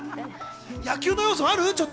野球の要素ある？